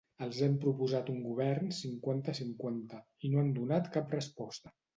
Els hem proposat un govern cinquanta-cinquanta, i no han donat cap resposta.